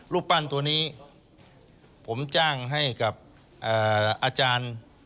รูปปั้นตัวนี้ผมจ้างให้กับอาจารย์